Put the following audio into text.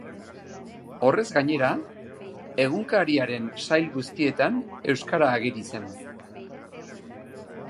Horrez gainera, egunkariaren sail guztietan euskara ageri zen.